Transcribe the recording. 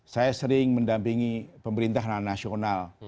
saya sering mendampingi pemerintahan nasional